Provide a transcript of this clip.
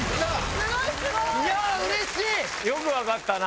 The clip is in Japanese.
すごい！よく分かったな。